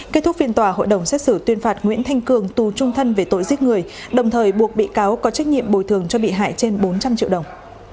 kết thúc phiên tòa hội đồng xét xử tuyên phạt nguyễn thanh cường tù trung thân về tội giết người đồng thời buộc bị cáo có trách nhiệm bồi thường cho bị hại trên bốn trăm linh triệu đồng